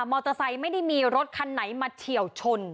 มอเตอร์ไซด์ไม่ได้มีรถคันไหนมาเฉี่ยวชน